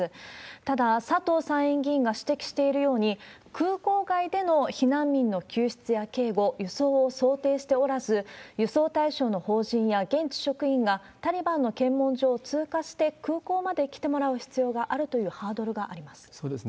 ただ、佐藤参院議員が指摘しているように、空港外での避難民の救出や警護、輸送を想定しておらず、輸送対象の邦人や現地職員がタリバンの検問所を通過して、空港まで来てもらう必要があるというハードルがあります。